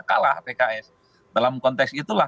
kalah pks dalam konteks itulah